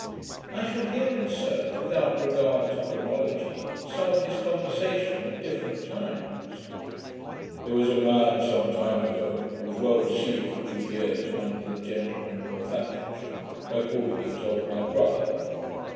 I shall here insert, without regard to chronology, some of his conversation at different times. 'There was a man some time ago, who was well received for two years, among the gentlemen of Northamptonshire, by calling himself my brother.